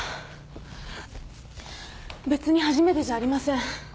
別に初めてじゃありません。